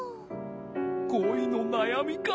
こいのなやみか。